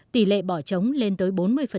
tỷ lệ bỏ trống lên tới bốn mươi